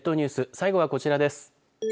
最後はこちらです。